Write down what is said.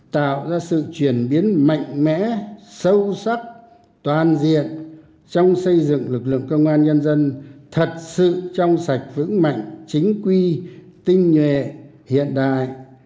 tạo ra sự chuyển biến mạnh mẽ sâu sắc toàn diện trong xây dựng lực lượng công an nhân dân thật sự trong sạch vững mạnh chính quy tinh nhuệ hiện đại